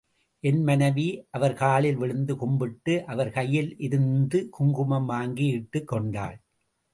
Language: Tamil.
என் மனைவி அவர் காலில் விழுந்து கும்பிட்டு அவர் கையில் இருந்து குங்குமம் வாங்கி இட்டுக் கொண்டாள்.